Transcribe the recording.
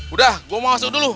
udah gue mau masuk dulu